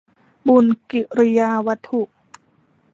บุญกิริยาวัตถุ